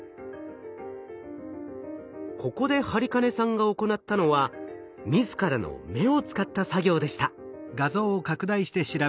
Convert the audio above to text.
ここで播金さんが行ったのは自らの目を使った作業でした。